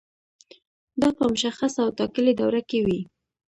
دا په مشخصه او ټاکلې دوره کې وي.